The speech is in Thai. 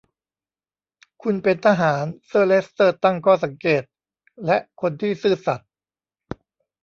คุณเป็นทหาร เซอร์เลสเตอร์ตั้งข้อสังเกต และคนที่ซื่อสัตย์